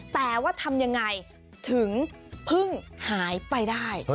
แต่ว่าทำยังไงถึงเพิ่งหายไปได้